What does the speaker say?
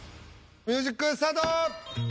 ミュージックスタート。